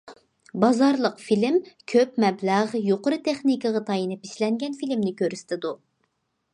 بازارلىق فىلىم كۆپ مەبلەغ، يۇقىرى تېخنىكىغا تايىنىپ ئىشلەنگەن فىلىمنى كۆرسىتىدۇ.